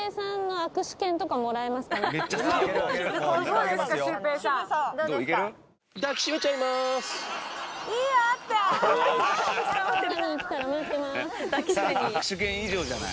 握手券以上じゃない。